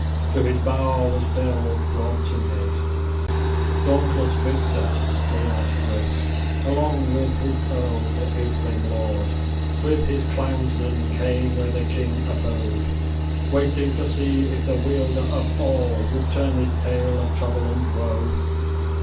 To his bower was Beowulf brought in haste, dauntless victor. As daylight broke, along with his earls the atheling lord, with his clansmen, came where the king abode waiting to see if the Wielder of All would turn this tale of trouble and woe.